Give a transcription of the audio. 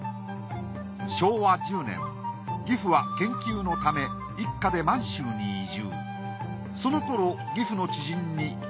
昭和１０年義父は研究のため一家で満州に移住。